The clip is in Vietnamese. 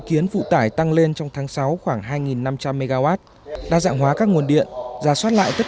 kiến phụ tải tăng lên trong tháng sáu khoảng hai năm trăm linh mw đa dạng hóa các nguồn điện giả soát lại tất